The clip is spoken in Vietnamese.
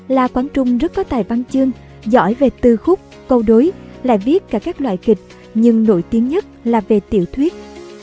la quán trung rất có tài văn chương giỏi về tư khúc câu đối lại viết cả các loại kịch nhưng nổi tiếng nhất là về tiểu thuyết